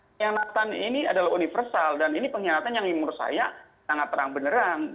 pengkhianatan ini adalah universal dan ini pengkhianatan yang menurut saya sangat terang beneran